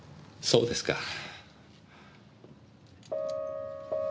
そうですか。